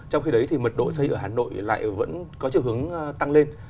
trong khi đấy thì mật độ xây ở hà nội lại vẫn có chiều hướng tăng lên